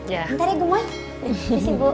ya disini ibu